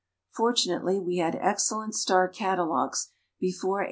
Fortunately, we had excellent star catalogues before 1866.